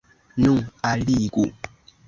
Nu, alligu!